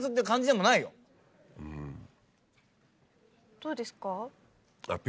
どうですか？